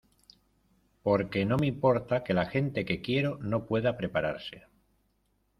porque no me importa que la gente que quiero no pueda prepararse